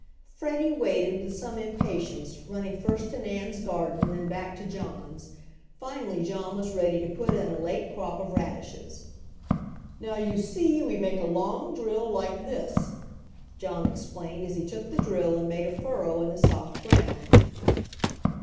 Freddie waited with some impatience, running first to Nan's garden then back to John's. Finally John was ready to put in a late crop of radishes. "Now, you see, we make a long drill like this," John explained as he took the drill and made a furrow in the soft ground.